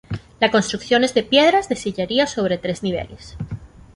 La construcción es de piedras de sillería sobre tres niveles.